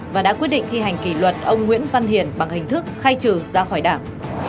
và đã quyết định thi hành kỷ luật ông nguyễn văn hiền bằng hình thức khai trừ ra khỏi đảng